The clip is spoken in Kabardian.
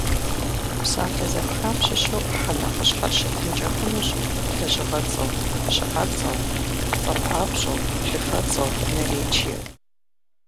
Псалъэ зэпхам щыщу ӏыхьэ нэхъыщхьэр щытынкӏэ хъунущ лэжьыгъэцӏэу, щыӏэцӏэу, цӏэпапщӏэу, плъыфэцӏэу, наречиеу.